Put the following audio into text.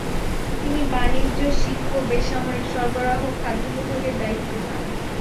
তিনি বাণিজ্য, শিল্প, বেসামরিক সরবরাহ, খাদ্য বিভাগের দায়িত্ব পান।